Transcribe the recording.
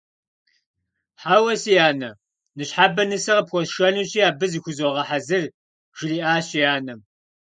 Хьэуэ, си анэ, ныщхьэбэ нысэ къыпхуэсшэнущи, абы зыхузогъэхьэзыр, - жриӀащ и анэм.